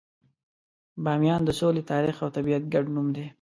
بامیان د سولې، تاریخ، او طبیعت ګډ نوم دی.